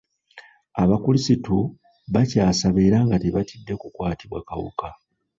Abakulisitu bakyasaba era nga tebatidde kukwatibwa kawuka.